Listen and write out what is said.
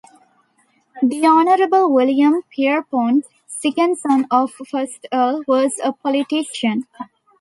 The Honourable William Pierrepont, second son of the first Earl, was a politician.